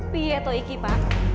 biar itu ini pak